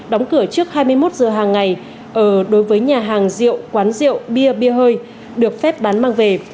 đóng cửa trước hai mươi một giờ hàng ngày đối với nhà hàng rượu quán rượu bia bia hơi được phép bán mang về